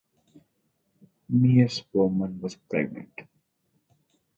Mies Bouwman was pregnant.